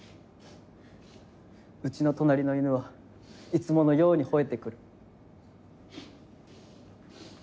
うちの隣の犬はいつものように吠えてくる。